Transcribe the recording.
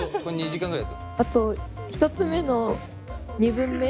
あと１つ目の２文目。